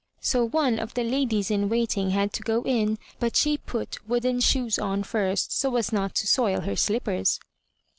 So one of the ladies in waiting had to go in, but she put wooden shoes on first, so as not to soil her slippers.